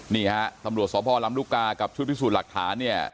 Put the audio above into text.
นี่ฮะตำรวจสพลำลูกกากับชุดพิสูจน์หลักฐานเนี่ย